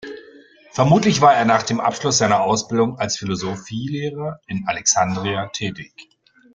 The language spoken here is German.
Vermutlich war er nach dem Abschluss seiner Ausbildung als Philosophielehrer in Alexandria tätig.